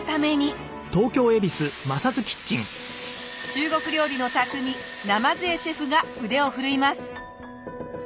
中国料理の匠鯰江シェフが腕を振るいます。